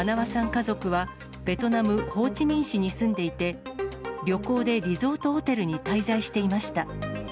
家族は、ベトナム・ホーチミン市に住んでいて、旅行でリゾートホテルに滞在していました。